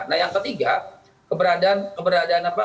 nah yang ketiga keberadaan apa